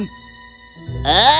aku ingin berbicara